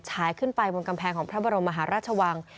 ฉายขึ้นไปบนกำแพงของพระบรมมหาราชวัง